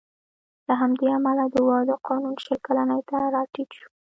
له همدې امله د واده قانون شل کلنۍ ته راټیټ شو